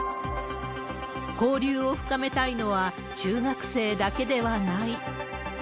交流を深めたいのは、中学生だけではない。